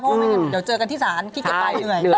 เพราะว่าเดี๋ยวเจอกันที่สรรคิดกันไปเหนื่อย